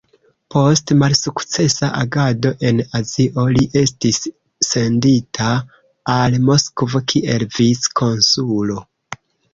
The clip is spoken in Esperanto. Post malsukcesa agado en Azio, li estis sendita al Moskvo kiel vic-konsulo.